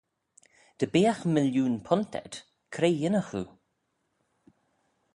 Dy beagh millioon punt ayd, cre yinnagh oo?